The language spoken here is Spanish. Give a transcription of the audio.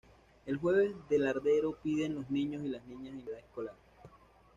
El jueves de Lardero piden los niños y las niñas en edad escolar.